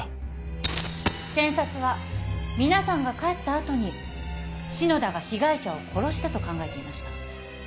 検察は皆さんが帰った後に篠田が被害者を殺したと考えていました。